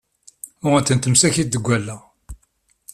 Uɣen-tent msakit deg allaɣ!